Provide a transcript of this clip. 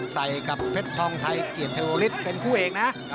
ใส่กับเพชรทองไทยเกียรติเทวลิศเป็นคู่เอกนะ